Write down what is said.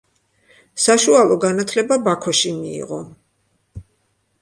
საშუალო განათლება ბაქოში მიიღო.